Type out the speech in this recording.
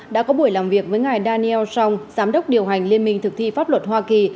đã có buổi làm việc với ngài daniel song giám đốc điều hành liên minh thực thi pháp luật hoa kỳ